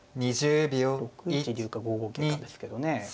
６一竜か５五桂かですけどね。